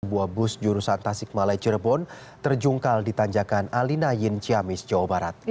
sebuah bus jurusan tasikmalaya cirebon terjungkal di tanjakan alinayin ciamis jawa barat